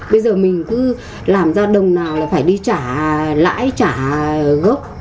bây giờ mình cứ làm ra đồng nào là phải đi trả lãi trả gốc